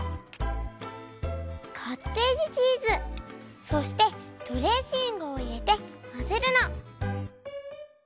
カッテージチーズそしてドレッシングをいれてまぜるの。